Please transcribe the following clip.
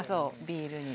ビールに。